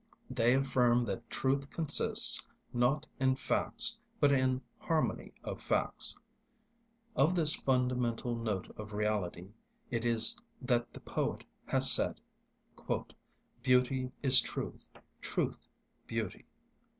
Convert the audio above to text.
They affirm that truth consists, not in facts, but in harmony of facts. Of this fundamental note of reality it is that the poet has said, "Beauty is truth, truth beauty."